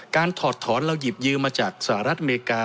ถอดถอนเราหยิบยืมมาจากสหรัฐอเมริกา